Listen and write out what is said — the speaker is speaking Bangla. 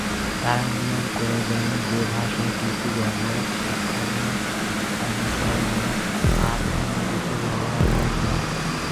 তারা নিয়ম করে দেন যে ভাষার কিছু ব্যবহার শিক্ষণীয় ও অনুসরণীয়, আর অন্য কিছু ব্যবহার বর্জনীয়।